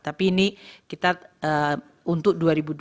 tapi ini kita untuk dua ribu dua puluh